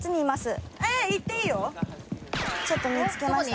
ちょっと見つけました。